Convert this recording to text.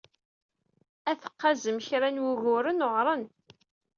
Ad tqazem kra n wuguren uɛren.